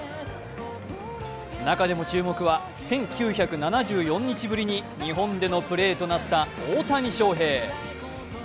中でも注目は、１９７４日ぶりに日本でのプレーとなった大谷翔平。